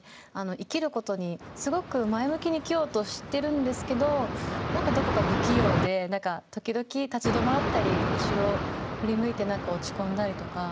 生きることに、すごく前向きに生きようとしているんですが何か、どこか不器用で時々、立ち止まったり後ろを振り向いて落ち込んだりとか。